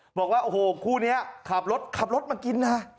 บอกว่าโอ้โหคู่นี้ขับรถขับรถมากินนะ